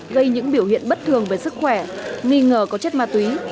gây những biểu hiện bất thường về sức khỏe nghi ngờ có chất ma túy